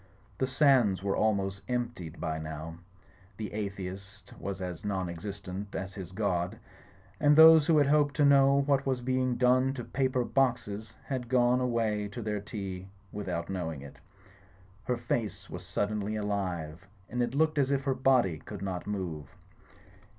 The sands were almost emptied by now: the atheist was as non existent as his God ; and those who had hoped to know what was being done to the paper boxes had gone away to their tea without knowing it. But the young woman still leaned on the railing. Her face was suddenly alive; and it looked as if her body could not move.